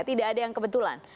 tidak ada yang kebetulan